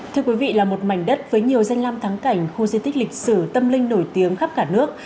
thưa quý vị là một mảnh đất với nhiều danh lam thắng cảnh khu di tích lịch sử tâm linh nổi tiếng khắp cả nước